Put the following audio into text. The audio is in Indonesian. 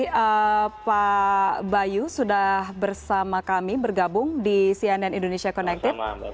terima kasih pak bayu sudah bersama kami bergabung di cnn indonesia connected